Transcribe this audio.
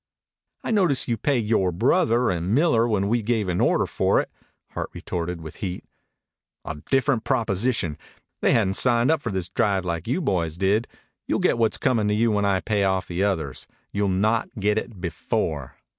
"I notice you paid yore brother and Miller when we gave an order for it," Hart retorted with heat. "A different proposition. They hadn't signed up for this drive like you boys did. You'll get what's comin' to you when I pay off the others. You'll not get it before."